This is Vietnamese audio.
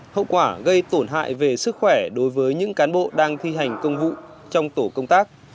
hậu quả gây tổn hại về sức khỏe đối với những cán bộ đang thi hành công vụ trong tổ công tác